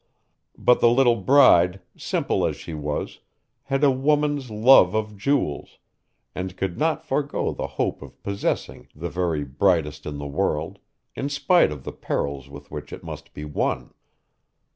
But the little bride, simple as she was, had a woman's love of jewels, and could not forego the hope of possessing the very brightest in the world, in spite of the perils with which it must be won.